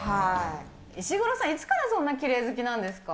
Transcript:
石黒さん、いつからそんなきれい好きなんですか？